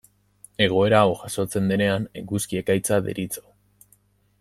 Egoera hau jazotzen denean eguzki ekaitza deritzo.